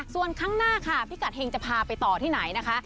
ส่วนข้างหน้าค่ะพี่กัดเฮงจะพาไปต่อที่ไหนนะคะ